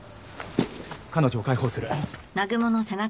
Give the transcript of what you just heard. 彼女を解放する。